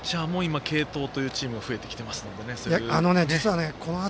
ピッチャーも継投というチームが増えています。